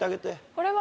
これは。